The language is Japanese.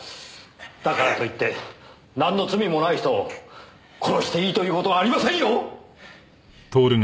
だからといってなんの罪もない人を殺していいという事はありませんよ！